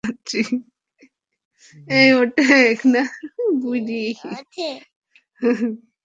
জান্নাতি স্থানীয় বারইখালী মানিক মিয়া সরকারি প্রাথমিক বিদ্যালয়ের পঞ্চম শ্রেণির ছাত্রী।